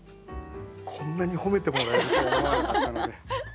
こんなに褒めてもらえるとは思わなかったので。